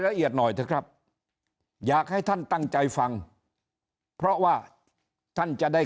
ละเอียดหน่อยเถอะครับอยากให้ท่านตั้งใจฟังเพราะว่าท่านจะได้